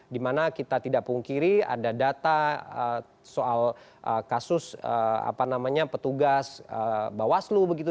dimana kita tidak pungkiri ada data soal kasus petugas bawaslu begitu